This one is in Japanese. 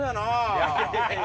いやいやいやいや。